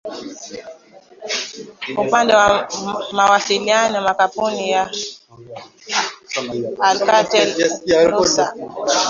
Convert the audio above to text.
upande wa mawasiliano makampuni ya alcatel lucer